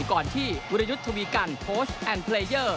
ก่อนที่วิรยุทธ์ทวีกันโพสต์แอนดเพลเยอร์